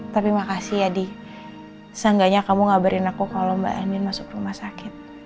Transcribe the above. tapi makasih ya adi seenggaknya kamu ngabarin aku kalau mbak andien masuk rumah sakit